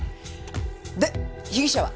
で被疑者は？